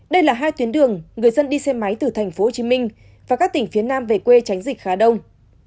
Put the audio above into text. đây là hai tuyến đường người dân đi xe máy từ thành phố hồ chí minh và các tỉnh phía nam về quê tránh dịch khá đông